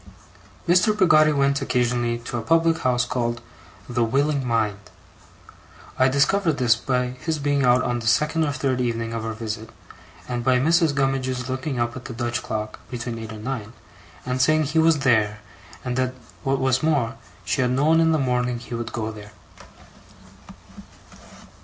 Mr. Peggotty went occasionally to a public house called The Willing Mind. I discovered this, by his being out on the second or third evening of our visit, and by Mrs. Gummidge's looking up at the Dutch clock, between eight and nine, and saying he was there, and that, what was more, she had known in the morning he would go there.